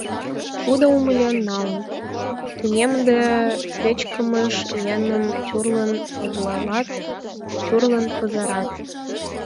Тудо умылен налын: тунемдыме, пычкемыш еҥым тӱрлын ондалат, тӱрлын пызырат.